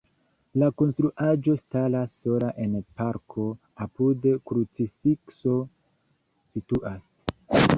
La konstruaĵo staras sola en parko, apude krucifikso situas.